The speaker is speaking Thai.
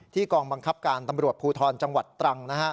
ที่กองบังคับการตำรวจภูทรจังหวัดตรังนะครับ